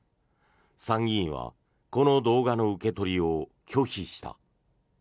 参議院はこの動画の受け取りを拒否した。